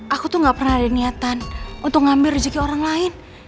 aku tuh gak pernah ada niatan untuk ngambil rezeki orang lain